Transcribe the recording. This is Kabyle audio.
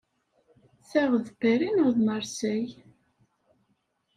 Ta d Paris neɣ d Marseille?